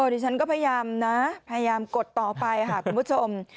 ดิฉันก็พยายามนะพยายามกดต่อไปค่ะคุณผู้ชม